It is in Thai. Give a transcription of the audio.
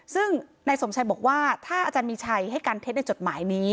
ซึ่งนายสมชัยบอกว่าถ้าอาจารย์มีชัยให้การเท็จในจดหมายนี้